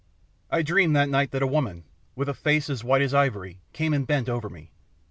I dreamed that night that a woman, with a face as white as ivory, came and bent over me.